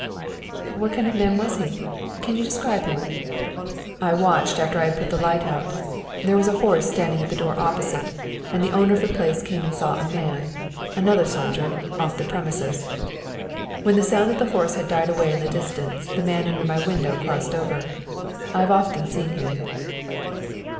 "What kind of a man was he? Can you describe him?" "I watched after I had put the light out. There was a horse standing at the door opposite and the owner of the place came and saw a man another soldier off the premises. When the sound of the horse had died away in the distance, the man under my window crossed over. I've often seen him."